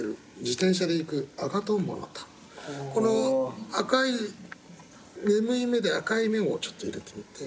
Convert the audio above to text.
この赤い眠い目で赤い面をちょっと入れてみて。